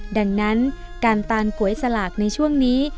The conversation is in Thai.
ดังนั้นการตานก๋วยสลากในช่วงนี้